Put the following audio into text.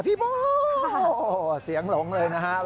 พี่โบ้เสียงหลงเลยนะครับ